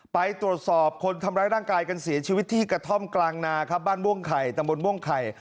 ไปตรวจสอบคนทำร้ายร่างกายกันเสียชีวิตที่กระท่อมกลางนาครับบ้านม่วงไข่ตะบนม่วงไข่